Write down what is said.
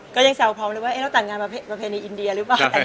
ก็ยังแสดงว่าน่าต่างงานในอินเดียหรือชะมัด